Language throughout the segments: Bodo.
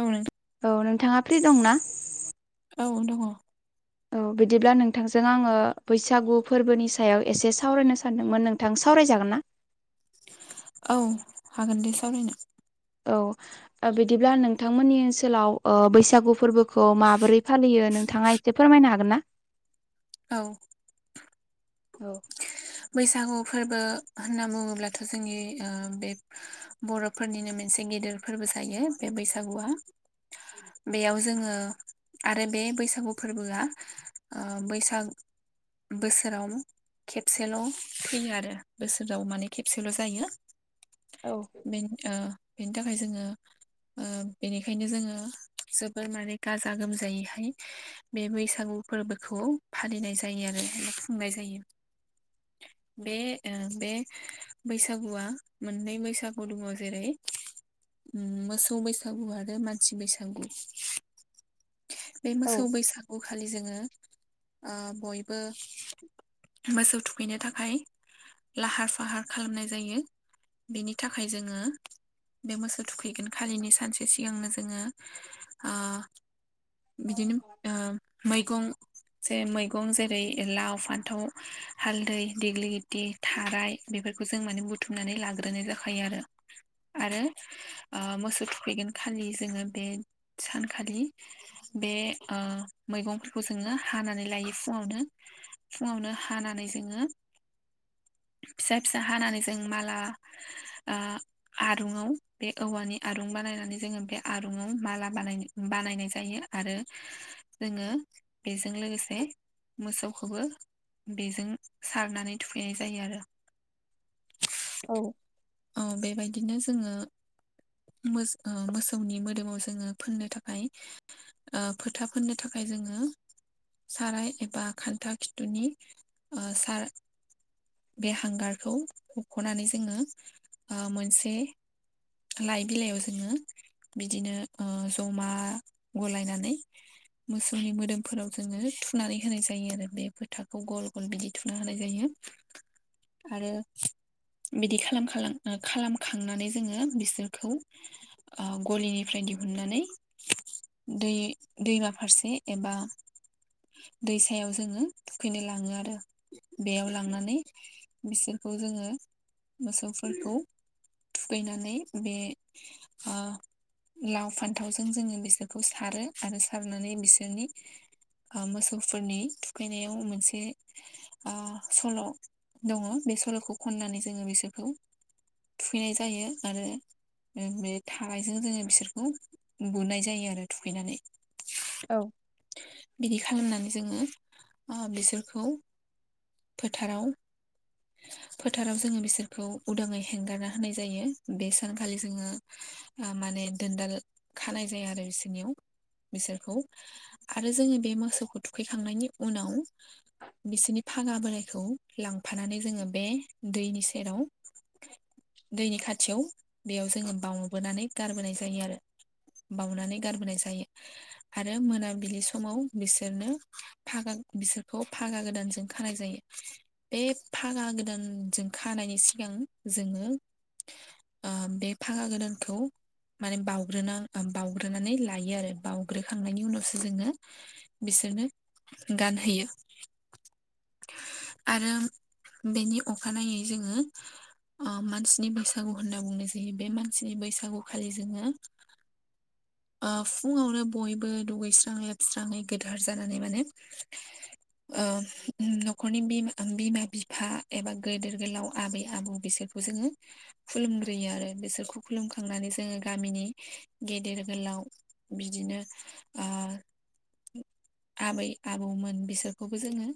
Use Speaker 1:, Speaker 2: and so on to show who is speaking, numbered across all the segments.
Speaker 1: औ नोथां
Speaker 2: औ नोंथाङा फ्रि दंना?
Speaker 1: औ दङ।
Speaker 2: 'औ बिदिब्ला नोंथांजों आङो बैसागु फोरबोनि सायाव एसे सावरायनो सानदोंमोन नोंथां सावराय जागोना
Speaker 1: औ हागोन दे सावरायनो
Speaker 2: औ बिदिब्ला नोंथांमोननि ओनसोलाव, ओ बैसागु फोरबोखौ माबोरै फालियो नो थाङा एसे फोरमायनो हागोन ना?
Speaker 1: औ
Speaker 2: औ
Speaker 1: बैसागु फोरबो होनना बुङोब्लाथ' जोंनि ओ, बे, बर'फोरनिनो [inaudible] गेदेर फोरबो जायो बे बैसागुआ बेयाव जोङो आरो बे बैसागुआ फोरबोआ ओ, बैसाग- बोसोराव खेब सेल' फैयो आरो बोसोराव माने खेबसेल' जायो।
Speaker 2: औ
Speaker 1: [inaudible] बेनि थाखाय जोङो ओ बेनिखायन जोङो, जोबोर माने गाजा गोमजायैहाय बे बैसागु फोरबोखौ फालिनाय जायो आरो ओमफाय खुंनाय जायो। बे ओ बे बैसागुआ मोननै बैसागु दङ जेरै ओम मोसौ बैसागु आरो मानसि बैसागु। बे
Speaker 2: औ
Speaker 1: मोसौ बैसागु खालि जोङो ओ बयबो मोसौ थुखैनो थाखाय लाहार फाहार खालामनाय जायो। बेनि थाखाय जोङो बे मोसौ थुखैगोन खालिनि सानसे सिगांनो जोङो, ओ बिदिनो ओ मैगं मैगं जेरै लाव फान्थाव हालदै देग्लि दे थाराय बेफोरखौ जों माने बुथुमनानै लाग्रोनाय जाखायो आरो -आरो ओ, मोसौ थुफैगोन खालि जोङो बे- सानखालि बे ओ मैगंफोरखौ जोङो हानानै लायो फुङावनो फुङावनो हानानै जोङो फिसाफिसा हानानै जों माला, ओ, आरुंआव बे औवानि आरुंबा- नायनानै जोङो बे आरुंआव माला बानायनो बानायनाय जायो आरो जोङो बेजों लोगोसे मोसौखौबो बेजों सारनानै थुखैनाय जायो आरो
Speaker 2: औ
Speaker 1: औ बेबायदि बिनो जोङो मै ओ मोसौनि मोदोमाव जोङो फोननो थाखाय ओ फोथा फोननो थाखाय जोङो साराय एबा खान्था खिथुनि ओ सार बे हांगारखौ हबख'नानै जोङो ओ मोनसे लाइ बिलाइयाव जोङो बिदिनो ओ जमा गलायनानै मोसौनि मोदोमफोराव जोङो, थुनानै होनाय जायो आरो बे फोथाखौ गल - [inaudible] बिदि थुना हानाय जायो आरो बिदि खालाम खालाम ओ खालाम खांनानै जोङो बिसोरखौ ओ गलिनिफ्राय दिहुननानै दै दैमा फारसे एबा दैसायाव जोङो थुखैनो लाङो आरो बेयाव लांनानै बिसोरखौ जोङो मोसौफोरखौ थुखैनानै बे ओ लाव फान्थावजों जोङो बिसोरखौ सारो आरो सारनानै बिसोरनि ओ मोसौफोरनि थुखैनायाव मोनसे ओ सल' दङ बे सल'खौ खननानै जोङो बिसोरखौ थुखैनाय जायो आरो बे थारायजों जोङो बिसोरखौ बुनाय जायो आरो थुखैनानै।
Speaker 2: औ
Speaker 1: बिदि खालामनानै जोङो ओ बिसोरखौ फोथाराव फोथाराव जोङो बिसोरखौ उदाङै हेंगारना होनाय जायो बे सानखालि जोङो माने दोनदाल खानाय जाया आरो बिसोरनियाव। बिसोरखौ आरो जोङो बे मोसौखौ थुखैखांनायनि उनाव बिसोरनि फागा बोरायखौ लांफानानै जोङो बे दैनि सेराव दैनि खाथियाव बेयाव जोङो बावबोनानै गारबोनाय जायो आरो। बावउनानै गारबोनाय जायो आरो मोनाबिलि समाव बिसोरनो फागा बिसोरखौ फागा गोदानजों खानाय जायो। बे फागा गोदानजों खानायनि सिगां जोङो बे फागा गोदानखौ माने बावउग्रोना बाउग्रोनानै लायो आरो बावउग्रोखांनायनि उनावसो जोङो बि बिसोरनो गानहैयो। आरो बेनि अखानायै जोङो मानसिनि बैसागु होनना बुंनाय जायो बे मानसिनि बैसागु खालि जोङो [inaudible] फुङावनो बयबो दुगैस्रां लोबस्राङै गोथार जानानै माने न'खरनि बिमा-बिफा एबा गेदेर गोलाव आबै-आबौ बिसोरखौ जोङो खुलुमग्रोयो आरो बिसोरखौ खुलुमखांनानै जोङो गामिनि गेदेर गोलाव बिदिनो ओ आबै-आबौमोन बिसोरखौबो जोङो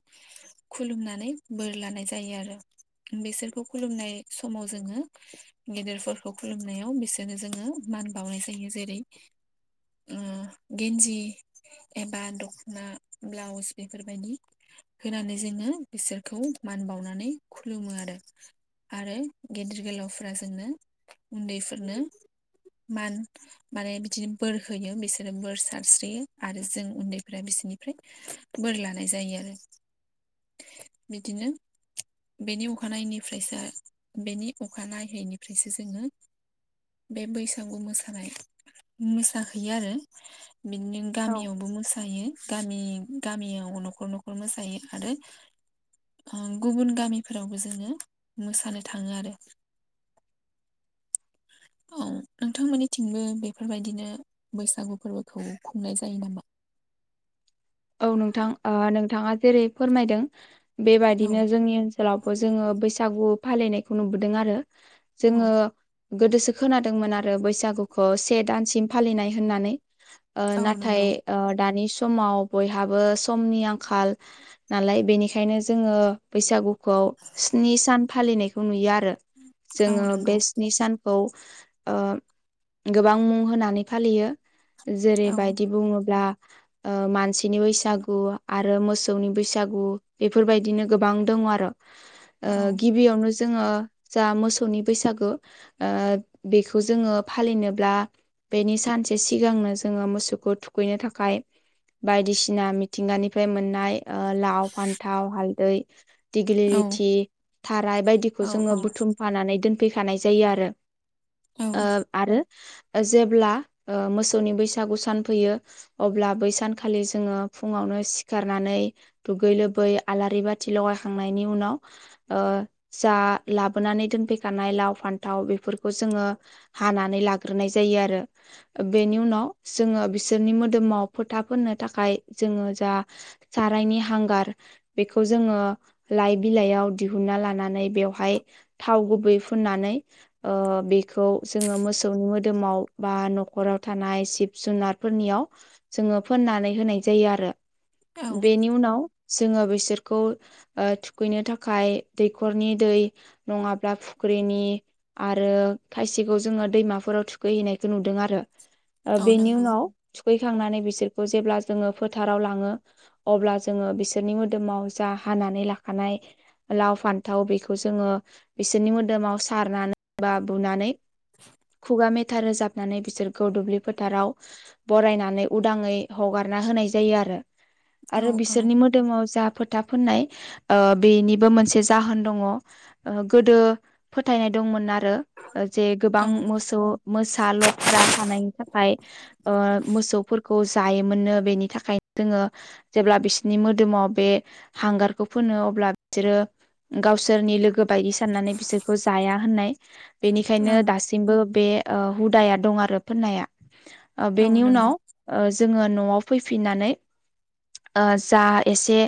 Speaker 1: खुलुमनानै बोर लानाय जायो आरो। बिसोरखौ खुलुमनाय समाव जोङो गेदेरफोरखौ खुलुमनायाव बिसोरनो जोङो मान बावनाय जायो जेरै गेन्जि एबा दख' ना ब्लाउस बेफोरबायदि होनानै जोङो बिसोरखौ मान बावनानै खुलुमो आरो। आरो गेदेर गोलावफ्रा जोंनो उन्दैफोरनो मान माने बिदिनो बोर होयो बिसोरो बोर सारस्रियो आरो जों उन्दै फोरा बिसोरनिफ्राय बोर लानाय जायो आरो बिदिनो बेनि अखानायैनिफ्रायसो बेनि अखा नायैनिफ्रायसो जोङो बे बैसागु मोसानाय मोसाहैयो आरो। बिदिनो
Speaker 2: औ
Speaker 1: गामियावबो मोसा गामि गामियाव न'खर न'खर मोसायो आरो गुबुन गामिफोरावबो जोङो मोसानो थाङो आरो। [inaudible] औ नोंथांमोननिथिंबो बेफोरबायदिनो बैसागु फोरबोखौ खुंनाय जायो नामा?
Speaker 2: औ नोंथां ओ नोंथाङा जेरै फोरमायदों
Speaker 1: औ
Speaker 2: बेबायदिनो जोंनि ओनसोलावबो जोङो बैसागु फालिनायखौ नुबोदों आरो।
Speaker 1: औ
Speaker 2: जोङो गोदोसो खोनादोंमोन आरो बैसागुखौ से दान सिम फालिनाय होन्नानै
Speaker 1: औ
Speaker 2: नाथाय
Speaker 1: नंगौ
Speaker 2: दानि समाव बयहाबो समनि आंखाल नालाय बेनिखायनो जोङो बैसागुखौ स्नि सान फालिनायखौ नुयो आरो
Speaker 1: औ
Speaker 2: जोङो
Speaker 1: नंगौ
Speaker 2: बे स्नि सान खौ गोबां मुं होनानै फालियो
Speaker 1: औ
Speaker 2: जेरैबायदि बुङोब्ला मानसि नि बैसागु आरो मोसौनि बैसागु बेफोरबायदिनो गोबां दङ आरो। ओ
Speaker 1: औ
Speaker 2: गिबियावनो जोङो। जा मोसौनि बैसागो बेखौ जोङो फालिनोब्ला बेनि सान सानसे सिगांनो जोङो मोसौखौ थुखैनो थाखाय बायदिसिना मिथिंगानिफ्राय मोननाय लाव, फान्थाव, हालदै
Speaker 1: औ
Speaker 2: दिग्लिलिथि थाराय बायदिखौ जोङो बुथुमफानानै दोनफैखानाय जायो आरो
Speaker 1: औ
Speaker 2: ओ आरो जेब्ला मोसौनि बैसागु सान फैयो अब्ला बैसान खालि जोङो फुङावनो सिखारनानै दुगै लोबै आलारि बाथि लगायखांनायनि उनाव जा लाबोनानै दोनफैखानाय लाव फान्थाव बेफोरखौ जोङो हानानै लाग्रोनाय जायो आरो बेनि उनाव जोङो बिसोरनि मोदोमाव फोथाब नो थाखाय जोङो जा सारायनि हांगार बेखौ जोङो लाइबिलाइ आव दिहुनना लानानै बेयावहाय थाव गुबै फुननानै ओ खौ जोङो मोसौनि मोदोमाव बा न'खराव थानाय जिब- जुनारफोरनियाव जोङो फोननानै होनाय जायो आरो।
Speaker 1: औ
Speaker 2: बेनि उनाव जोङो बेसोरखौ थुखैनो थाखाय दैखरनि दै नङाबा बा फुख्रिनि आरो खायसेखौ जोङो दैमाफोराव थुखैहैनायखौ नुदों आरो।
Speaker 1: औ
Speaker 2: बेनि
Speaker 1: नंगौ
Speaker 2: उनाव थुखैखांनानै बिसोर खौ जेब्ला जोङो फोथाराव लाङो अब्ला जोङो बिसोरनि मोदोमाव जा हानानै लाखानाय लाव फान्थाव बेखौ जोङो बिसोरनि मोदोमाव सारनानै बा बुनानै खुगा मेथा रोजाबनानै बिसोरखौ दुब्लि फोथाराव बरायनानै उदाङै हगारना होनाय जायो आरो
Speaker 1: औ
Speaker 2: आरो
Speaker 1: औ
Speaker 2: बिसोरनि मोदोमाव जा फो था फुननाय बेनिबो मोनसे जाहोन दङ गोदो फोथायनाय दङ मोन आरो जे गोबां
Speaker 1: औ
Speaker 2: मोसौ मोसा लख्रा थानायनि थाखाय मोसौफोरखौ जायोमोननो बेनि थाखायनो जोङो जेब्ला बिसनि मोदोमाव बे हांगारखौ फोनो अब्ला बिसोरो गावसोरनि लोगो बायदि साननानै बिसोरखौ जाया होननाय
Speaker 1: औ
Speaker 2: बेनिखायनो दासिमबो बे हुदाया दं आरो फोननाया
Speaker 1: औ
Speaker 2: बेनि
Speaker 1: नंगौ
Speaker 2: उनाव जोङो न'आव फैफिननानै जा एसे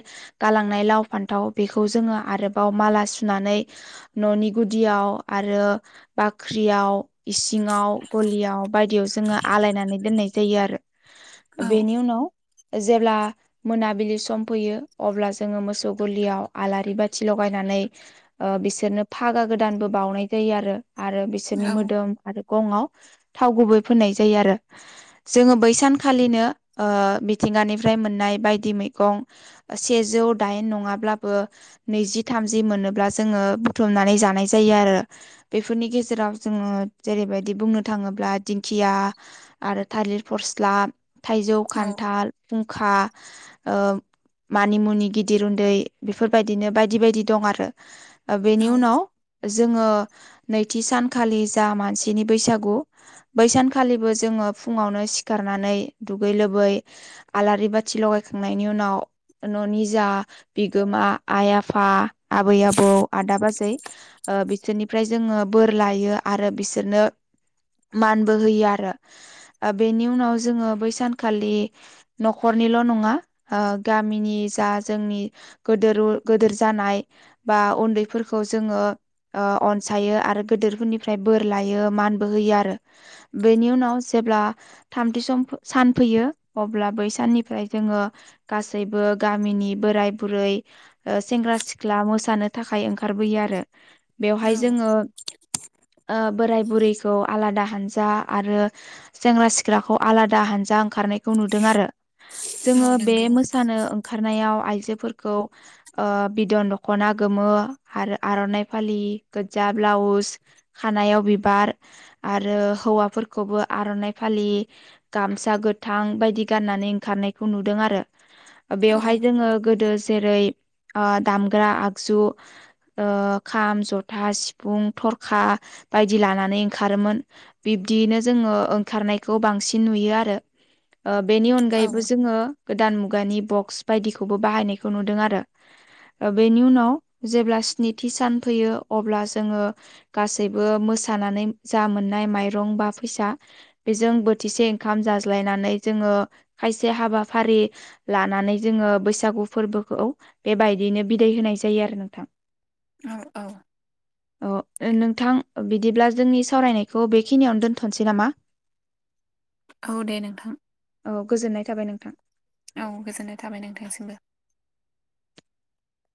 Speaker 2: गालांनाय लाव फान्थाव बेखौ जोङो आरोबाव माला सुनानै ननि गुदिआव आरो बाख्रियाव इसिंङाव गलि बायदियाव जोङो आलायनानै दोननाय जायो आरो
Speaker 1: औ
Speaker 2: बेनि उनाव जेब्ला मोनाबिलि सम फैयो अब्ला जोङो मोसौ गलियाव आलारि बाथि लगायनानै बिसोरनो फागा गोदानबो बाउनाय जायो आरो। आरो बिसोरनि
Speaker 1: औ
Speaker 2: मोदोम आरो गंआव थाव गुबै फोननाय जायो आरो जोङो बै सानखालिनो मिथिंगानिफ्राय मोननाय बायदि मैगं सेजौ दाइन न ङाब्लाबो नैजि थामजि मोनोब्ला जोंङो बुथुमनानै जानाय जायो आरो बेफोरनि नि गेजेराव जोङो जेरैबायदि बुंनो थाङोब्ला दिंखिया आरो थालिर प स्ला थाइजौ
Speaker 1: औ
Speaker 2: खान्थाल फुंखा मानि मुनि गिदिर उन्दै बेफोरबायदिनो बायदि बायदि दं आरो।
Speaker 1: औ
Speaker 2: बेनि उनाव जोङो नैथि सानखालि जा मानसिनि बैसागु बै सानखालिबो जोङो फुङावनो सिखारनानै दुगै लोबै आलारि बाथि लगायखांनायनि उनाव न'नि जा बिगोमा आय- आफा आफफा आबै आबौ आदा बाजै बिसोरनिफ्राय जोङो बोर लायो आरो बिसोर बिसोरनो मानबो होयो आरो बे बिनि उनाव जोंङो बै सानखालि नख'रनिल नंङा गामिनि जा जोङो जोंनि गोदोर गोदोर जानाय बा उन्दैफोरखौ जोङो ओ अनसायो आरो गिदिरफोरनिफ्राय बोर लायो मानबो होयो आरो बेनि उनाव जे अब्ला थामथि सम सान फैयो अब्ला बै साननिफ्राय जोङो गासैबो गामिनिबो बोराय बुरै ओ सेंग्रा सिख्ला मोसानो थाखाय ओंखारबोयो आरो। बेवहाय जोङो ओ बोराय बुरैखौ आलादा हानजा आरो सेंग्रा सिख्ला सिख्लाखौ आलादा हानजा ओंखारनायखौ नुदों आरो जोङो बे
Speaker 1: नंगौ
Speaker 2: मोसानो ओंखारनायाव आइजो जोफोरखौ ओ बिदन दखना गोमो आरो आरनाइ फालि गोदजा ब्लावस खानायाव बिबार आरो हौवाफोरखौबो आरनाय फालि फालि गामसा गोथां बायदि गाननानै ओंखारनायखौ नुदों आरो
Speaker 1: औ
Speaker 2: बेवहाय जोङो गोदो जेरै ओ‌‌ दामग्रा आगजु ओ खाम जथा सिफुं थरखा बायदि लानानै ओंखारोमोन बे बिदियैनो जोङो ओं खारनायखौ बांसिन नुयो आरो ओ बेनि
Speaker 1: औ
Speaker 2: अनगायैबो जोङो गोदान मुगा मुगानि बक्स बायदिखौबो बाहायनायखौ नुदों आरो ओ बेनि उनाव जेब्ला स्निथि सान फैयो अब्ला जोङो गासैबो मोसा सानानै जा मोननाय माइरं बा फैसा बेजों बोथिसे ओंखाम जाज्लायनानै जोङो खायसे हाबाफारि लानानै जो ङो बैसागु फोरबोखौ बेबायदिनो बिदाय होनाय जायो आरो नोंथां
Speaker 1: औ
Speaker 2: अ ओ नोंथां बिदिब्ला जोंनि सावरायनायखौ बेखिनियावनो दोनथनोसै नामा
Speaker 1: औ दे नोंथां
Speaker 2: औ गोजोननाय थाबाय नोंथां
Speaker 1: औ गोजोननाय थाबाय नोंथांसिमबो